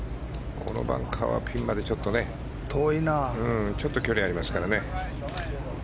このバンカーはピンまでちょっと距離がありますからね。